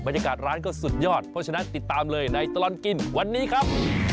บรรยากาศร้านก็สุดยอดเพราะฉะนั้นติดตามเลยในตลอดกินวันนี้ครับ